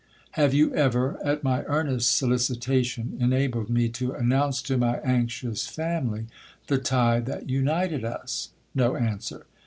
—'Have you ever, at my earnest solicitation, enabled me to announce to my anxious family the tie that united us?'—No answer.